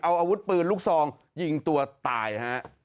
เอาอาวุธปืนลูกซองยิงตัวตายฮะ